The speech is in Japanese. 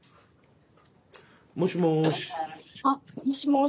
もしもし。